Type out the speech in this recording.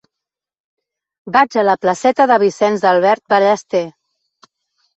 Vaig a la placeta de Vicenç Albert Ballester.